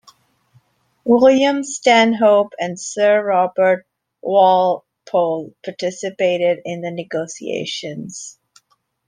William Stanhope and Sir Robert Walpole participated in the negotiations.